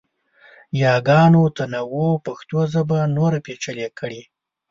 یاګانو تنوع پښتو ژبه نوره پیچلې کړې.